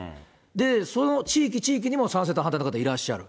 で、その地域地域にも賛成と反対の方いらっしゃる。